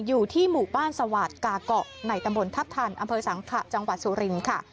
อยู่ที่หมู่บ้านสวาสกาเกาะในตำบลทัพทันอำเภอสังขะจังหวัดสุรินทร์ค่ะ